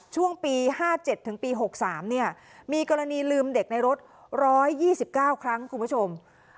ช่วงปี๕๗ถึงปี๖๓มีกรณีลืมเด็กในรถ๑๒๙ครั้งคุณผู้ชม